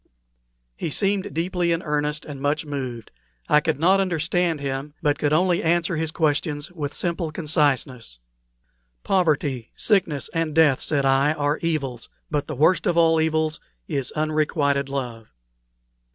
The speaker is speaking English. He seemed deeply in earnest and much moved. I could not understand him, but could only answer his questions with simple conciseness. "Poverty, sickness, and death," said I, "are evils; but the worst of all evils is unrequited love."